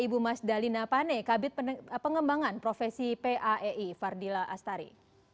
ibu mas dalina pane kabit pengembangan profesi paei fardila astari